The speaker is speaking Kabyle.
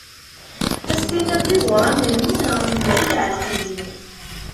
Ad as-tinniḍ d iẓuran n lmut naɣ n nnger i iɛelqen din.